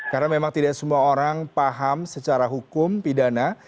karena memang tidak semua orang paham secara hukum pidana